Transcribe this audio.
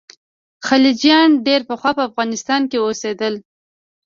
خلجیان ډېر پخوا په افغانستان کې اوسېدل.